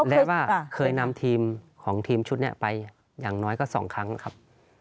ได้ว่าเคยนำทีมของทีมชุดนี้ไปอย่างน้อยก็๒ครั้งครับ